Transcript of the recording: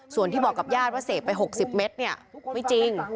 ส่วนที่บอกกับญาติว่าเสพไป๖๐เมตรเนี่ยไม่จริง